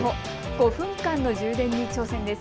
５分間の充電に挑戦です。